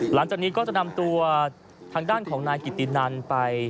หลังจากนี้ก็จะนำตัวทางด้านของนายกิตินันไป